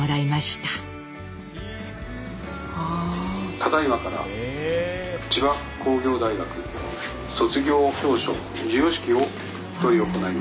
「ただいまから千葉工業大学卒業証書授与式を執り行います」。